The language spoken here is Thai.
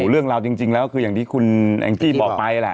เรื่องราวจริงแล้วคืออย่างที่คุณแองจี้บอกไปแหละ